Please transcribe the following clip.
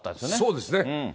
そうですね。